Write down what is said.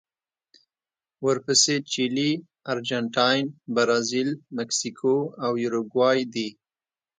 ورپسې چیلي، ارجنټاین، برازیل، مکسیکو او یوروګوای دي.